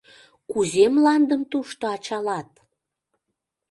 Кузе мландым тушто ачалат?